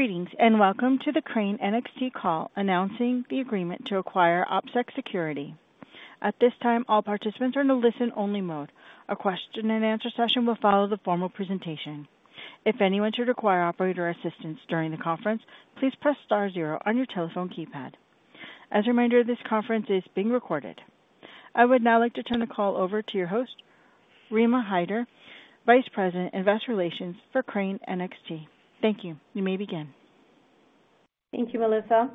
Greetings and welcome to the Crane NXT call announcing the agreement to acquire OpSec Security. At this time, all participants are in a listen-only mode. A question-and-answer session will follow the formal presentation. If anyone should require operator assistance during the conference, please press star zero on your telephone keypad. As a reminder, this conference is being recorded. I would now like to turn the call over to your host, Rima Hyder, Vice President, Investor Relations for Crane NXT. Thank you. You may begin. Thank you, Melissa.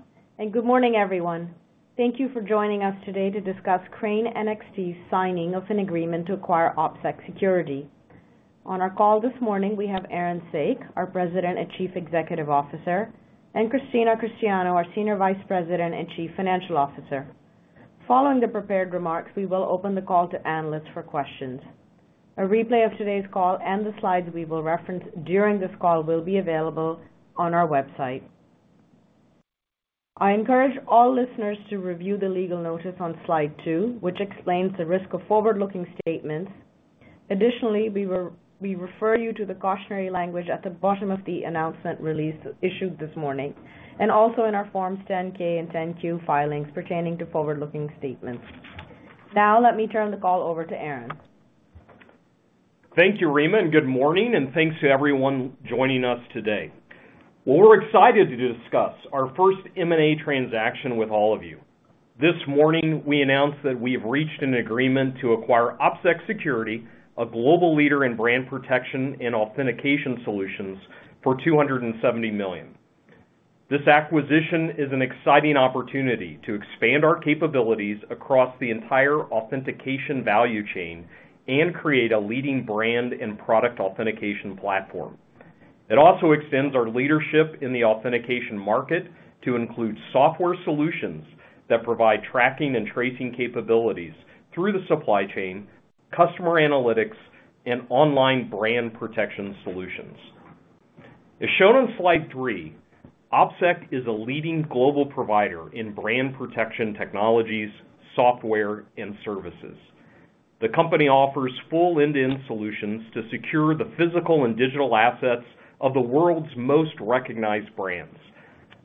Good morning, everyone. Thank you for joining us today to discuss Crane NXT's signing of an agreement to acquire OpSec Security. On our call this morning, we have Aaron Saak, our President and Chief Executive Officer, and Christina Cristiano, our Senior Vice President and Chief Financial Officer. Following the prepared remarks, we will open the call to analysts for questions. A replay of today's call and the slides we will reference during this call will be available on our website. I encourage all listeners to review the legal notice on slide 2, which explains the risk of forward-looking statements. Additionally, we refer you to the cautionary language at the bottom of the announcement issued this morning, and also in our Forms 10-K and 10-Q filings pertaining to forward-looking statements. Now let me turn the call over to Aaron. Thank you, Rima, and good morning, and thanks to everyone joining us today. What we're excited to discuss is our first M&A transaction with all of you. This morning, we announced that we have reached an agreement to acquire OpSec Security, a global leader in brand protection and authentication solutions, for $270 million. This acquisition is an exciting opportunity to expand our capabilities across the entire authentication value chain and create a leading brand and product authentication platform. It also extends our leadership in the authentication market to include software solutions that provide tracking and tracing capabilities through the supply chain, customer analytics, and online brand protection solutions. As shown on slide 3, OpSec is a leading global provider in brand protection technologies, software, and services. The company offers full end-to-end solutions to secure the physical and digital assets of the world's most recognized brands.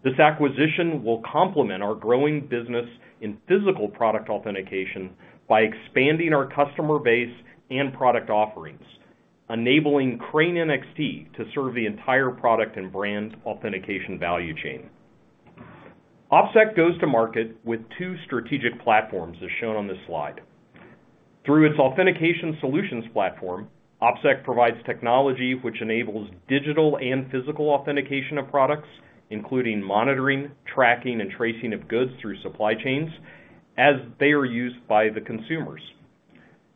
This acquisition will complement our growing business in physical product authentication by expanding our customer base and product offerings, enabling Crane NXT to serve the entire product and brand authentication value chain. OpSec goes to market with two strategic platforms, as shown on this slide. Through its authentication solutions platform, OpSec provides technology which enables digital and physical authentication of products, including monitoring, tracking, and tracing of goods through supply chains as they are used by the consumers.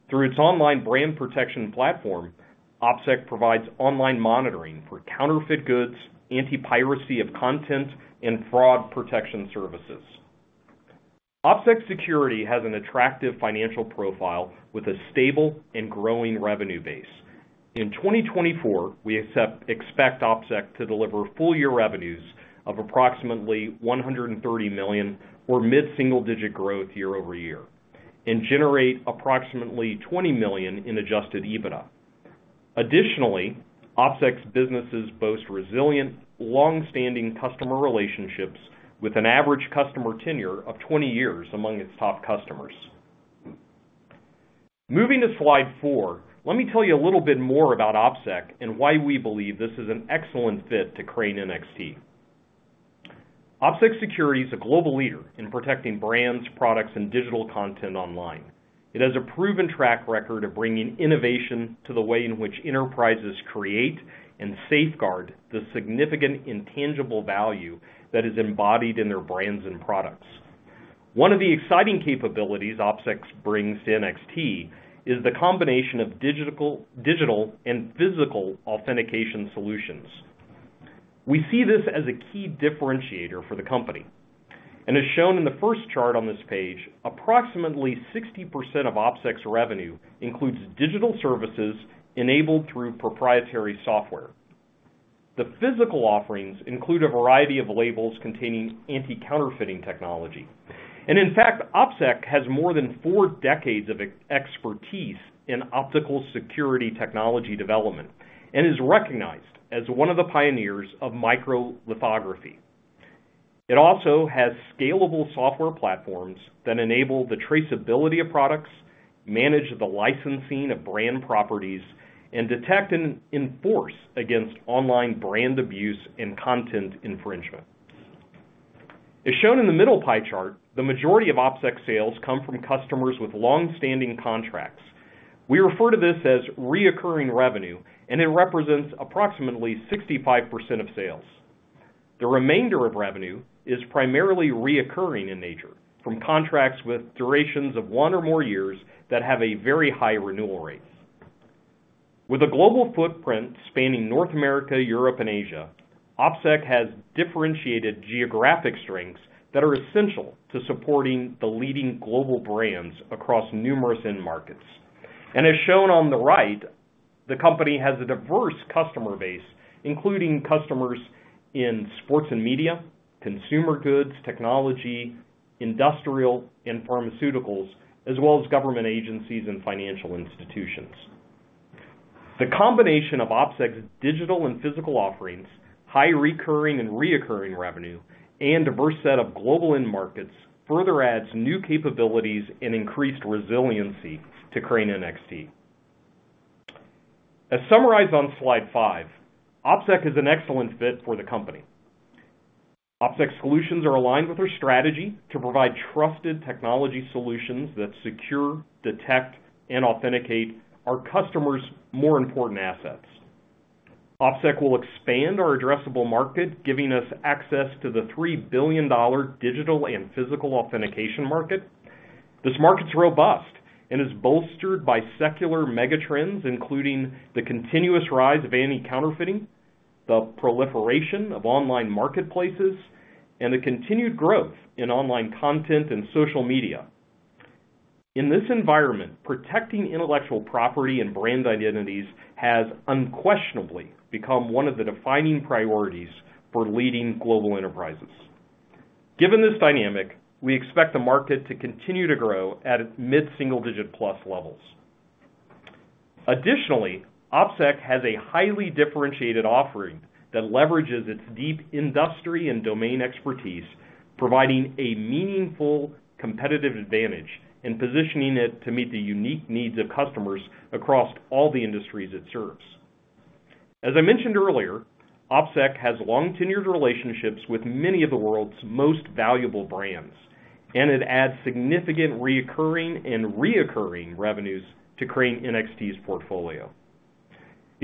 Through its online brand protection platform, OpSec provides online monitoring for counterfeit goods, anti-piracy of content, and fraud protection services. OpSec Security has an attractive financial profile with a stable and growing revenue base. In 2024, we expect OpSec to deliver full-year revenues of approximately $130 million or mid-single-digit growth year-over-year, and generate approximately $20 million in Adjusted EBITDA. Additionally, OpSec's businesses boast resilient, long-standing customer relationships with an average customer tenure of 20 years among its top customers. Moving to slide 4, let me tell you a little bit more about OpSec and why we believe this is an excellent fit to Crane NXT. OpSec Security is a global leader in protecting brands, products, and digital content online. It has a proven track record of bringing innovation to the way in which enterprises create and safeguard the significant intangible value that is embodied in their brands and products. One of the exciting capabilities OpSec brings to NXT is the combination of digital and physical authentication solutions. We see this as a key differentiator for the company. And as shown in the first chart on this page, approximately 60% of OpSec's revenue includes digital services enabled through proprietary software. The physical offerings include a variety of labels containing anti-counterfeiting technology. In fact, OpSec has more than four decades of expertise in optical security technology development and is recognized as one of the pioneers of microlithography. It also has scalable software platforms that enable the traceability of products, manage the licensing of brand properties, and detect and enforce against online brand abuse and content infringement. As shown in the middle pie chart, the majority of OpSec sales come from customers with long-standing contracts. We refer to this as recurring revenue, and it represents approximately 65% of sales. The remainder of revenue is primarily recurring in nature, from contracts with durations of one or more years that have very high renewal rates. With a global footprint spanning North America, Europe, and Asia, OpSec has differentiated geographic strengths that are essential to supporting the leading global brands across numerous end markets. As shown on the right, the company has a diverse customer base, including customers in sports and media, consumer goods, technology, industrial and pharmaceuticals, as well as government agencies and financial institutions. The combination of OpSec's digital and physical offerings, high recurring and reoccurring revenue, and diverse set of global end markets further adds new capabilities and increased resiliency to Crane NXT. As summarized on slide 5, OpSec is an excellent fit for the company. OpSec's solutions are aligned with our strategy to provide trusted technology solutions that secure, detect, and authenticate our customers' more important assets. OpSec will expand our addressable market, giving us access to the $3 billion digital and physical authentication market. This market's robust and is bolstered by secular megatrends, including the continuous rise of anti-counterfeiting, the proliferation of online marketplaces, and the continued growth in online content and social media. In this environment, protecting intellectual property and brand identities has unquestionably become one of the defining priorities for leading global enterprises. Given this dynamic, we expect the market to continue to grow at mid-single-digit plus levels. Additionally, OpSec has a highly differentiated offering that leverages its deep industry and domain expertise, providing a meaningful competitive advantage and positioning it to meet the unique needs of customers across all the industries it serves. As I mentioned earlier, OpSec has long-tenured relationships with many of the world's most valuable brands, and it adds significant recurring and recurring revenues to Crane NXT's portfolio.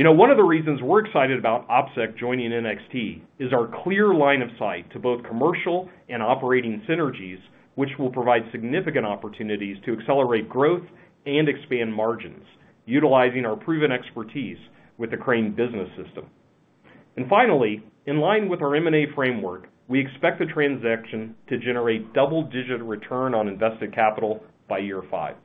One of the reasons we're excited about OpSec joining NXT is our clear line of sight to both commercial and operating synergies, which will provide significant opportunities to accelerate growth and expand margins, utilizing our proven expertise with the Crane Business System. And finally, in line with our M&A framework, we expect the transaction to generate double-digit return on invested capital by year 5.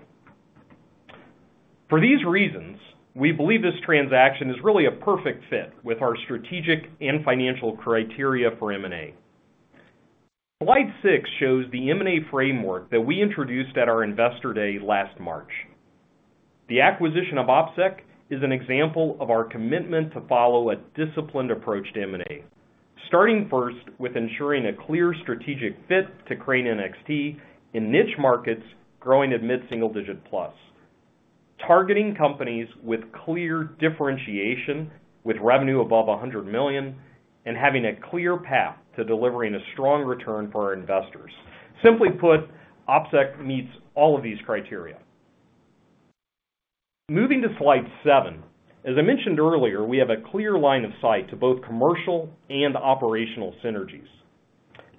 For these reasons, we believe this transaction is really a perfect fit with our strategic and financial criteria for M&A. Slide 6 shows the M&A framework that we introduced at our Investor Day last March. The acquisition of OpSec is an example of our commitment to follow a disciplined approach to M&A, starting first with ensuring a clear strategic fit to Crane NXT in niche markets growing at mid-single-digit plus, targeting companies with clear differentiation with revenue above $100 million, and having a clear path to delivering a strong return for our investors. Simply put, OpSec meets all of these criteria. Moving to slide 7, as I mentioned earlier, we have a clear line of sight to both commercial and operational synergies.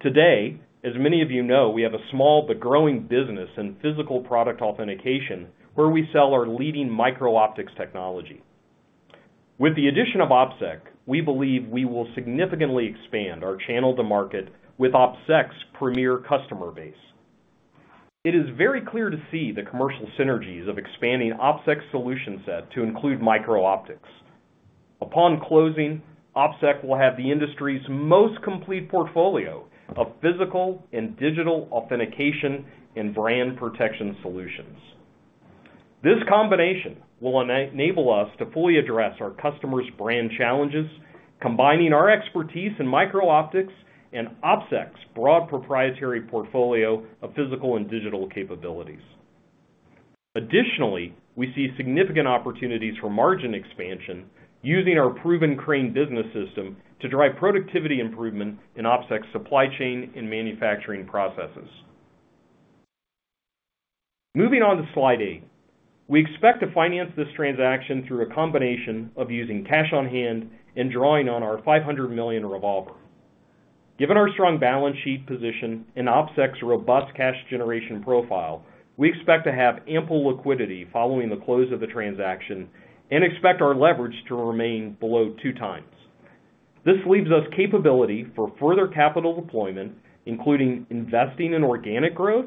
Today, as many of you know, we have a small but growing business in physical product authentication where we sell our leading micro-optics technology. With the addition of OpSec, we believe we will significantly expand our channel to market with OpSec's premier customer base. It is very clear to see the commercial synergies of expanding OpSec's solution set to include micro-optics. Upon closing, OpSec will have the industry's most complete portfolio of physical and digital authentication and brand protection solutions. This combination will enable us to fully address our customers' brand challenges, combining our expertise in micro-optics and OpSec's broad proprietary portfolio of physical and digital capabilities. Additionally, we see significant opportunities for margin expansion using our proven Crane Business System to drive productivity improvement in OpSec's supply chain and manufacturing processes. Moving on to slide 8, we expect to finance this transaction through a combination of using cash on hand and drawing on our $500 million revolver. Given our strong balance sheet position and OpSec's robust cash generation profile, we expect to have ample liquidity following the close of the transaction and expect our leverage to remain below 2x. This leaves us capability for further capital deployment, including investing in organic growth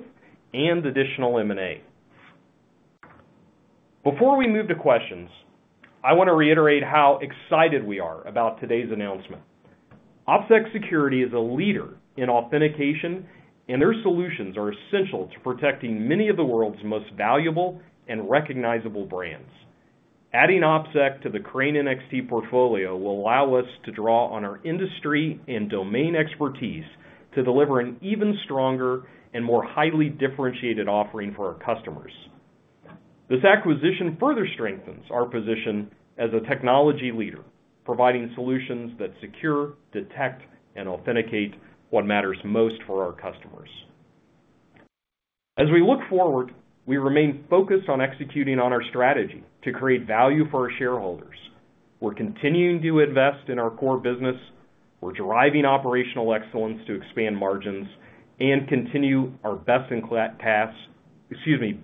and additional M&A. Before we move to questions, I want to reiterate how excited we are about today's announcement. OpSec Security is a leader in authentication, and their solutions are essential to protecting many of the world's most valuable and recognizable brands. Adding OpSec to the Crane NXT portfolio will allow us to draw on our industry and domain expertise to deliver an even stronger and more highly differentiated offering for our customers. This acquisition further strengthens our position as a technology leader, providing solutions that secure, detect, and authenticate what matters most for our customers. As we look forward, we remain focused on executing on our strategy to create value for our shareholders. We're continuing to invest in our core business. We're driving operational excellence to expand margins and continue our best-in-class free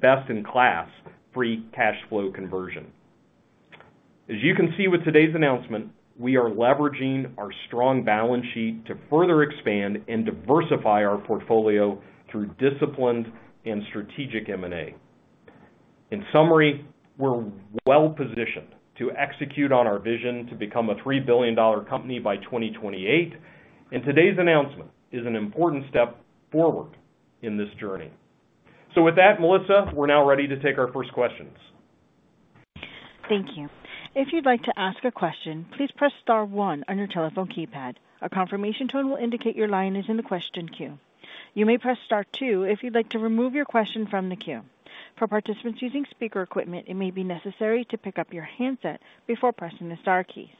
cash flow conversion. As you can see with today's announcement, we are leveraging our strong balance sheet to further expand and diversify our portfolio through disciplined and strategic M&A. In summary, we're well-positioned to execute on our vision to become a $3 billion company by 2028, and today's announcement is an important step forward in this journey. So with that, Melissa, we're now ready to take our first questions. Thank you. If you'd like to ask a question, please press star 1 on your telephone keypad. A confirmation tone will indicate your line is in the question queue. You may press star 2 if you'd like to remove your question from the queue. For participants using speaker equipment, it may be necessary to pick up your handset before pressing the star keys.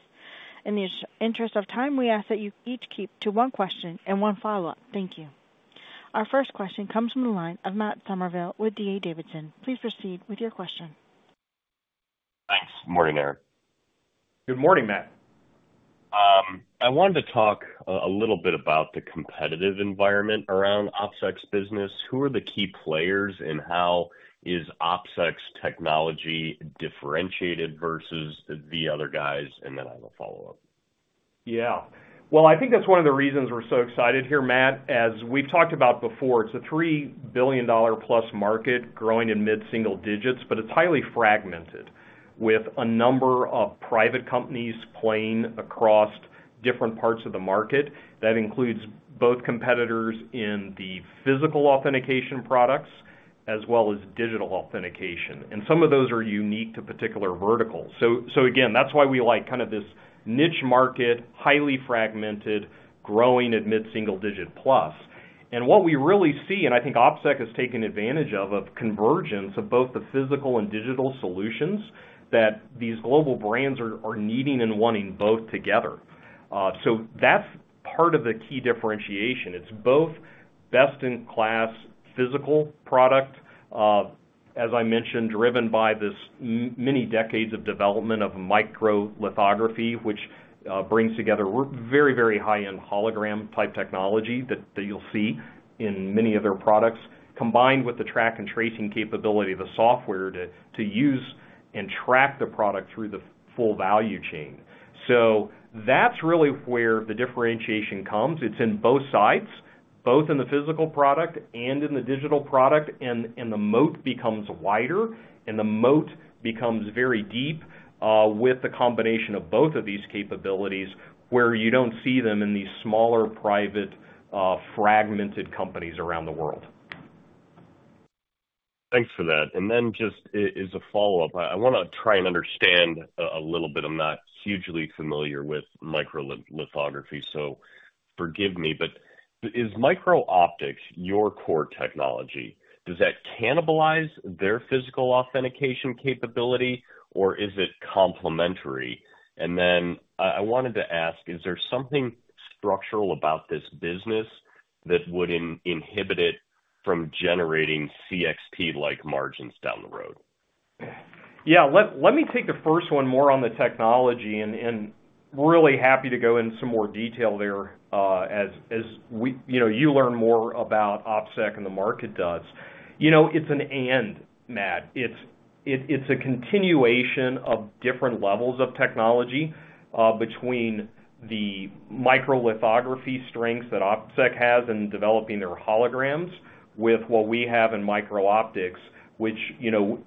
In the interest of time, we ask that you each keep to one question and one follow-up. Thank you. Our first question comes from the line of Matt Summerville with D.A. Davidson. Please proceed with your question. Thanks, Morning, Aaron. Good morning, Matt. I wanted to talk a little bit about the competitive environment around OpSec's business. Who are the key players, and how is OpSec's technology differentiated versus the other guys? Then I will follow up. Yeah. Well, I think that's one of the reasons we're so excited here, Matt. As we've talked about before, it's a $3 billion plus market growing in mid-single digits, but it's highly fragmented, with a number of private companies playing across different parts of the market. That includes both competitors in the physical authentication products as well as digital authentication. And some of those are unique to particular verticals. So again, that's why we like kind of this niche market, highly fragmented, growing at mid-single digit plus. And what we really see, and I think OpSec has taken advantage of, of convergence of both the physical and digital solutions that these global brands are needing and wanting both together. So that's part of the key differentiation. It's both best-in-class physical product, as I mentioned, driven by this many decades of development of microlithography, which brings together very, very high-end hologram-type technology that you'll see in many of their products, combined with the track and trace capability, the software to use and track the product through the full value chain. So that's really where the differentiation comes. It's in both sides, both in the physical product and in the digital product. And the moat becomes wider, and the moat becomes very deep with the combination of both of these capabilities, where you don't see them in these smaller private fragmented companies around the world. Thanks for that. And then just as a follow-up, I want to try and understand a little bit. I'm not hugely familiar with microlithography, so forgive me. But is micro-optics your core technology? Does that cannibalize their physical authentication capability, or is it complementary? And then I wanted to ask, is there something structural about this business that would inhibit it from generating CXT-like margins down the road? Yeah. Let me take the first one more on the technology, and really happy to go into some more detail there as you learn more about OpSec and the market does. It's an and, Matt. It's a continuation of different levels of technology between the microlithography strengths that OpSec has in developing their holograms with what we have in micro-optics, which,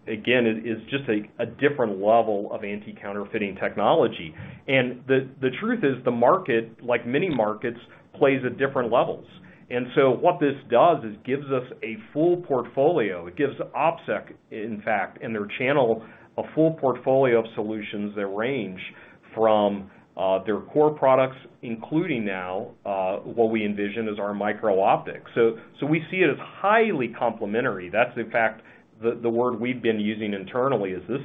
again, is just a different level of anti-counterfeiting technology. And the truth is, the market, like many markets, plays at different levels. And so what this does is gives us a full portfolio. It gives OpSec, in fact, and their channel a full portfolio of solutions that range from their core products, including now what we envision as our micro-optics. So we see it as highly complementary. That's, in fact, the word we've been using internally, is this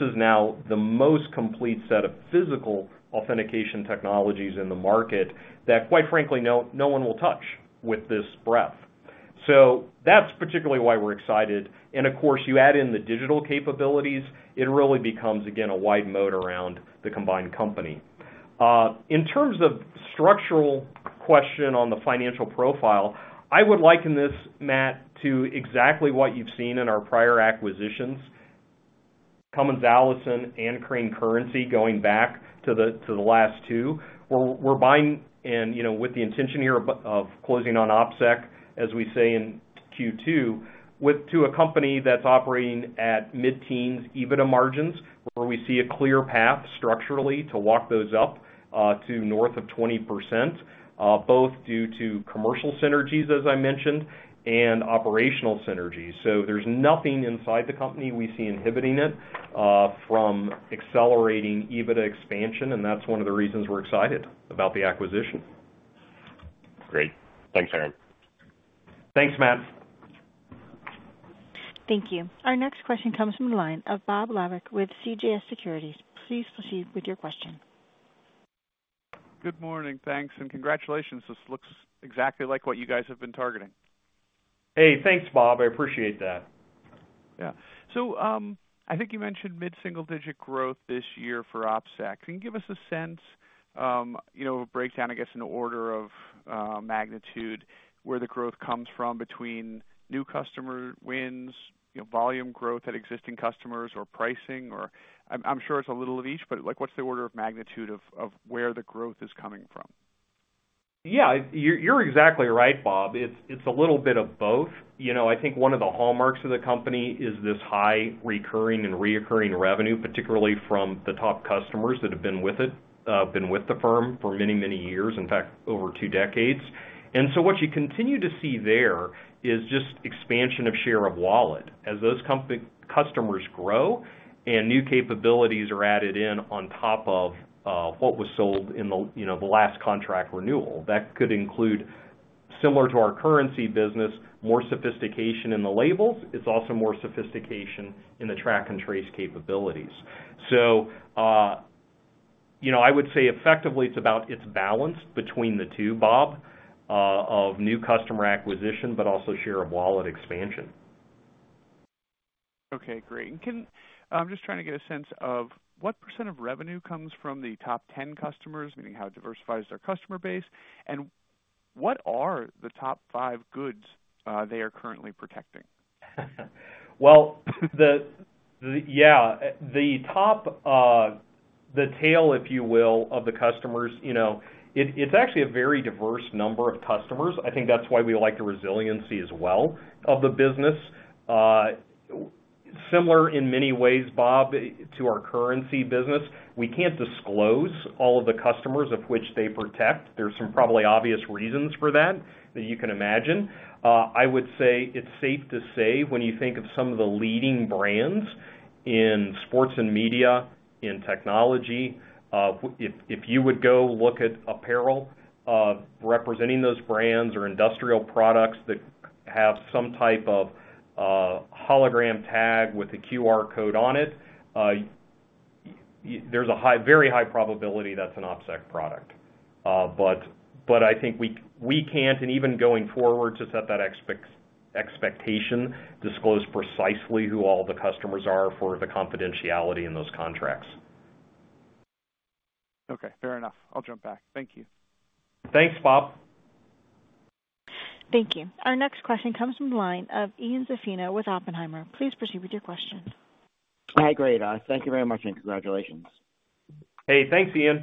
is now the most complete set of physical authentication technologies in the market that, quite frankly, no one will touch with this breadth. So that's particularly why we're excited. And of course, you add in the digital capabilities. It really becomes, again, a wide moat around the combined company. In terms of structural question on the financial profile, I would liken this, Matt, to exactly what you've seen in our prior acquisitions, Cummins Allison and Crane Currency, going back to the last two. We're buying with the intention here of closing on OpSec, as we say in Q2, to a company that's operating at mid-teens EBITDA margins where we see a clear path structurally to walk those up to north of 20%, both due to commercial synergies, as I mentioned, and operational synergies. There's nothing inside the company we see inhibiting it from accelerating even expansion. That's one of the reasons we're excited about the acquisition. Great. Thanks, Aaron. Thanks, Matt. Thank you. Our next question comes from the line of Bob Labick with CJS Securities. Please proceed with your question. Good morning. Thanks and congratulations. This looks exactly like what you guys have been targeting. Hey, thanks, Bob. I appreciate that. Yeah. So I think you mentioned mid-single-digit growth this year for OpSec. Can you give us a sense, a breakdown, I guess, in order of magnitude, where the growth comes from between new customer wins, volume growth at existing customers, or pricing? I'm sure it's a little of each, but what's the order of magnitude of where the growth is coming from? Yeah. You're exactly right, Bob. It's a little bit of both. I think one of the hallmarks of the company is this high recurring and reoccurring revenue, particularly from the top customers that have been with the firm for many, many years, in fact, over two decades. And so what you continue to see there is just expansion of share of wallet as those customers grow and new capabilities are added in on top of what was sold in the last contract renewal. That could include, similar to our currency business, more sophistication in the labels. It's also more sophistication in the track and trace capabilities. So I would say, effectively, it's balanced between the two, Bob, of new customer acquisition but also share of wallet expansion. Okay. Great. I'm just trying to get a sense of what percent of revenue comes from the top 10 customers, meaning how diversified is their customer base, and what are the top five goods they are currently protecting? Well, yeah, the tail, if you will, of the customers, it's actually a very diverse number of customers. I think that's why we like the resiliency as well of the business. Similar in many ways, Bob, to our currency business, we can't disclose all of the customers of which they protect. There's some probably obvious reasons for that that you can imagine. I would say it's safe to say when you think of some of the leading brands in sports and media, in technology, if you would go look at apparel representing those brands or industrial products that have some type of hologram tag with a QR code on it, there's a very high probability that's an OpSec product. But I think we can't, and even going forward to set that expectation, disclose precisely who all the customers are for the confidentiality in those contracts. Okay. Fair enough. I'll jump back. Thank you. Thanks, Bob. Thank you. Our next question comes from the line of Ian Zaffino with Oppenheimer. Please proceed with your question. All right. Great. Thank you very much and congratulations. Hey, thanks, Ian.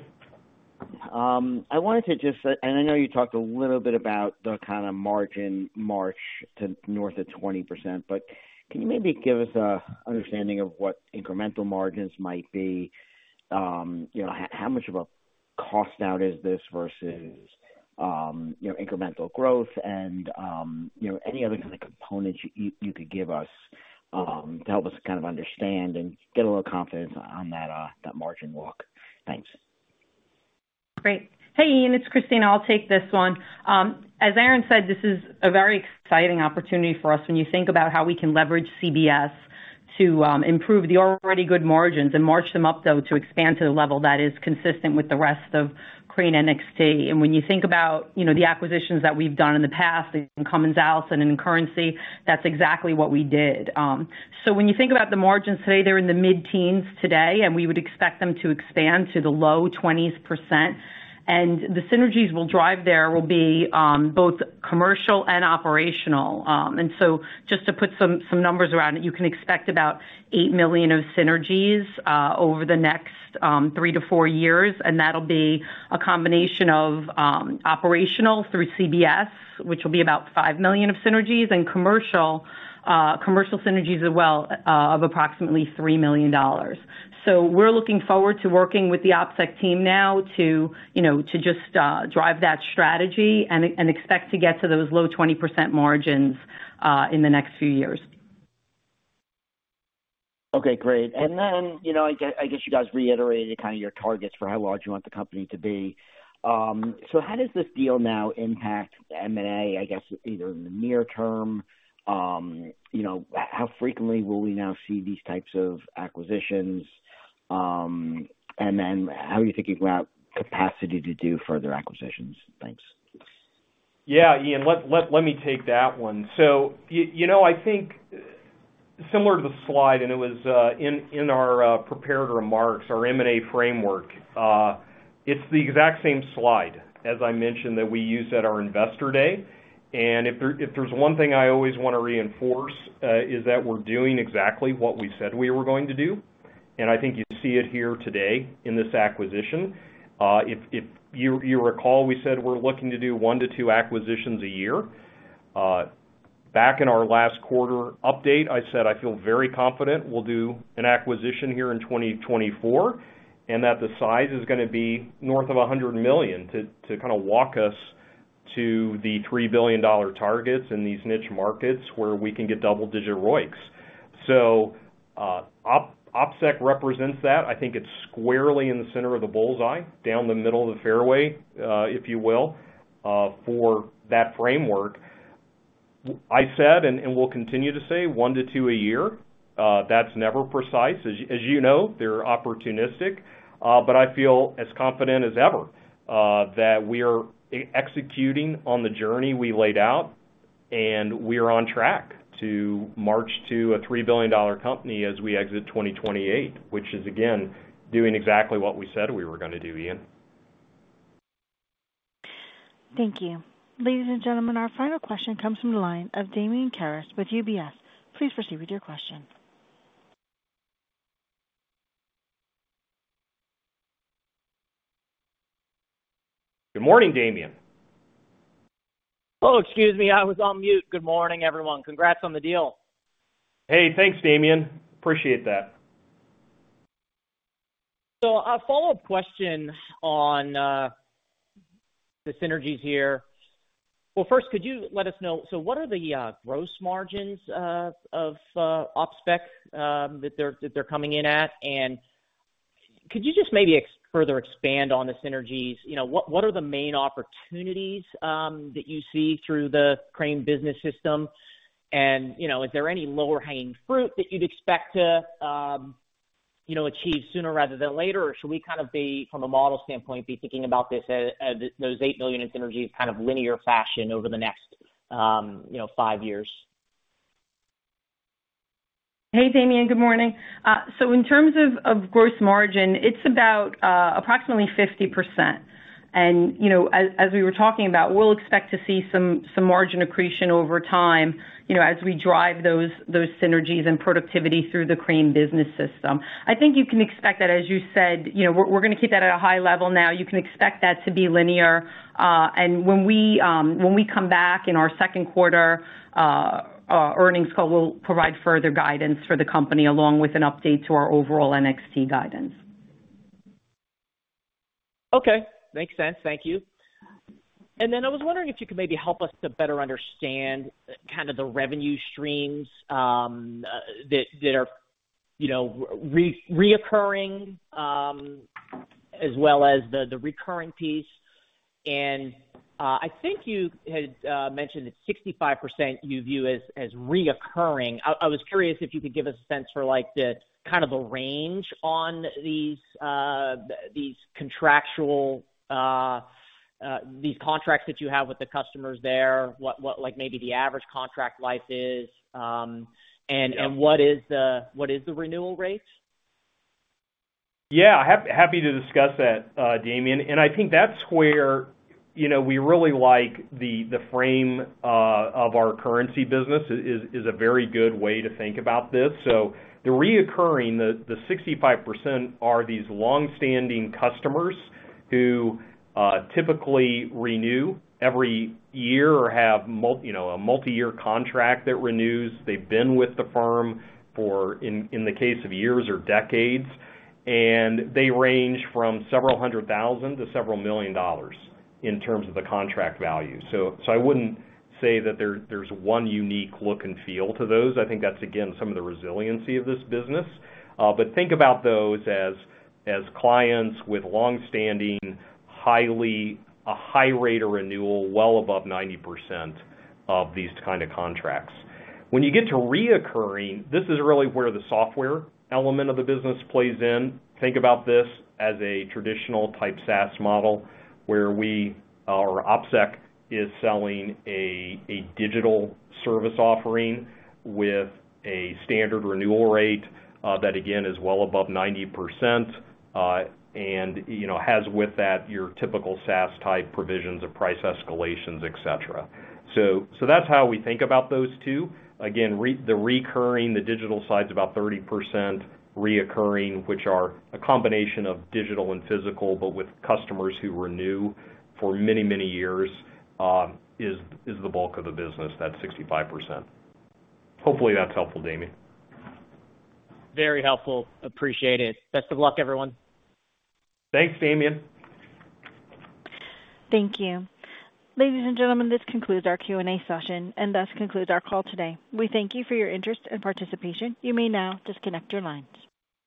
I wanted to just and I know you talked a little bit about the kind of margin march to north of 20%, but can you maybe give us an understanding of what incremental margins might be? How much of a cost out is this versus incremental growth? And any other kind of components you could give us to help us kind of understand and get a little confidence on that margin walk? Thanks. Great. Hey, Ian, it's Christina. I'll take this one. As Aaron said, this is a very exciting opportunity for us when you think about how we can leverage CBS to improve the already good margins and march them up, though, to expand to the level that is consistent with the rest of Crane NXT. And when you think about the acquisitions that we've done in the past in Cummins Allison and in Currency, that's exactly what we did. So when you think about the margins today, they're in the mid-teens% today, and we would expect them to expand to the low 20%. And the synergies we'll drive there will be both commercial and operational. And so just to put some numbers around it, you can expect about $8 million of synergies over the next 3-4 years. That'll be a combination of operational through CBS, which will be about $5 million of synergies, and commercial synergies as well of approximately $3 million. So we're looking forward to working with the OpSec team now to just drive that strategy and expect to get to those low 20% margins in the next few years. Okay. Great. And then I guess you guys reiterated kind of your targets for how large you want the company to be. So how does this deal now impact M&A, I guess, either in the near term? How frequently will we now see these types of acquisitions? And then how are you thinking about capacity to do further acquisitions? Thanks. Yeah, Ian, let me take that one. So I think similar to the slide, and it was in our prepared remarks, our M&A framework, it's the exact same slide, as I mentioned, that we used at our investor day. And if there's one thing I always want to reinforce is that we're doing exactly what we said we were going to do. And I think you see it here today in this acquisition. If you recall, we said we're looking to do 1-2 acquisitions a year. Back in our last quarter update, I said, "I feel very confident we'll do an acquisition here in 2024 and that the size is going to be north of $100 million to kind of walk us to the $3 billion targets in these niche markets where we can get double-digit ROICs." So OpSec represents that. I think it's squarely in the center of the bull's eye, down the middle of the fairway, if you will, for that framework. I said, and we'll continue to say, "1-2 a year." That's never precise. As you know, they're opportunistic. But I feel as confident as ever that we are executing on the journey we laid out, and we are on track to march to a $3 billion company as we exit 2028, which is, again, doing exactly what we said we were going to do, Ian. Thank you. Ladies and gentlemen, our final question comes from the line of Damian Karas with UBS. Please proceed with your question. Good morning, Damien. Oh, excuse me. I was on mute. Good morning, everyone. Congrats on the deal. Hey, thanks, Damien. Appreciate that. So a follow-up question on the synergies here. Well, first, could you let us know so what are the gross margins of OpSec that they're coming in at? And could you just maybe further expand on the synergies? What are the main opportunities that you see through the Crane Business System? And is there any lower-hanging fruit that you'd expect to achieve sooner rather than later? Or should we kind of be, from a model standpoint, be thinking about those $8 million in synergies kind of linear fashion over the next five years? Hey, Damien. Good morning. So in terms of gross margin, it's about approximately 50%. And as we were talking about, we'll expect to see some margin accretion over time as we drive those synergies and productivity through the Crane Business System. I think you can expect that, as you said, we're going to keep that at a high level now. You can expect that to be linear. And when we come back in our second quarter earnings call, we'll provide further guidance for the company along with an update to our overall NXT guidance. Okay. Makes sense. Thank you. And then I was wondering if you could maybe help us to better understand kind of the revenue streams that are recurring as well as the recurring piece. And I think you had mentioned that 65% you view as recurring. I was curious if you could give us a sense for kind of the range on these contractual contracts that you have with the customers there, what maybe the average contract life is, and what is the renewal rate? Yeah. Happy to discuss that, Damien. And I think that's where we really like the frame of our currency business is a very good way to think about this. So the recurring, the 65% are these longstanding customers who typically renew every year or have a multi-year contract that renews. They've been with the firm in the case of years or decades. And they range from $several hundred thousand to $several million in terms of the contract value. So I wouldn't say that there's one unique look and feel to those. I think that's, again, some of the resiliency of this business. But think about those as clients with longstanding, a high rate of renewal, well above 90% of these kind of contracts. When you get to recurring, this is really where the software element of the business plays in. Think about this as a traditional type SaaS model where OpSec is selling a digital service offering with a standard renewal rate that, again, is well above 90% and has with that your typical SaaS-type provisions of price escalations, etc. So that's how we think about those two. Again, the recurring, the digital side's about 30%. Recurring, which are a combination of digital and physical but with customers who renew for many, many years, is the bulk of the business, that 65%. Hopefully, that's helpful, Damien. Very helpful. Appreciate it. Best of luck, everyone. Thanks, Damien. Thank you. Ladies and gentlemen, this concludes our Q&A session, and thus concludes our call today. We thank you for your interest and participation. You may now disconnect your lines.